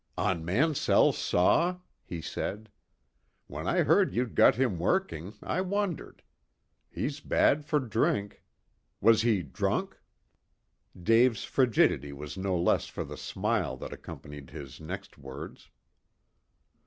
"On Mansell's saw!" he said. "When I heard you'd got him working I wondered. He's bad for drink. Was he drunk?" Dave's frigidity was no less for the smile that accompanied his next words.